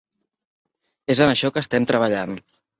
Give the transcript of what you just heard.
És en això que hem estat treballant.